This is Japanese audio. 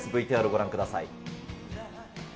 ＶＴＲご覧ください。